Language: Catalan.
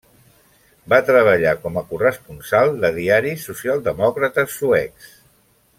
Va treballar com a corresponsal diaris socialdemòcrates suecs.